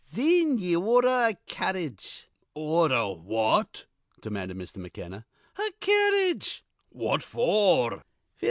Thin ye ordher a carredge" "Order what?" demanded Mr. McKenna. "A carredge." "What for?"